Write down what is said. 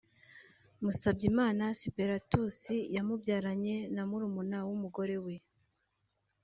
Musabyimana Siperatus yamubyaranye na murumuna w’umugore we